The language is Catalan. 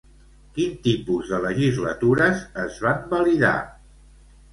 Quin tipus de legislatures es van validar?